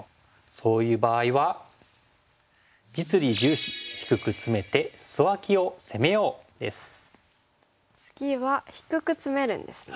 そういう場合は次は低くツメるんですね。